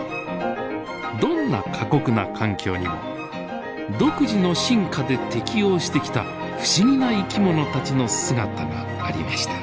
どんな過酷な環境にも独自の進化で適応してきた不思議な生き物たちの姿がありました。